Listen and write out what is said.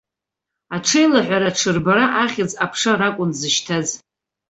Аҽеилаҳәара, аҽырбара, ахьӡ-аԥша ракәын дзышьҭаз.